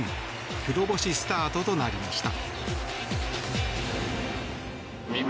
黒星スタートとなりました。